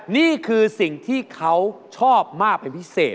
นี่คือสิ่งที่เขาชอบมากเป็นพิเศษ